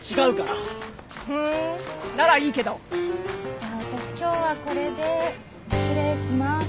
じゃあ私今日はこれで失礼します。